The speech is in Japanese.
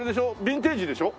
ビンテージでしょ？